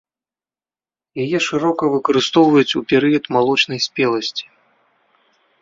Яе шырока выкарыстоўваюць у перыяд малочнай спеласці.